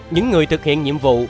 những người thực hiện nhiệm vụ